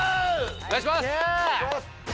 お願いします。